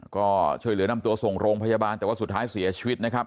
ก็ช่วยเหลือนำตัวส่งโรงพยาบาลแต่ว่าสุดท้ายเสียชีวิตนะครับ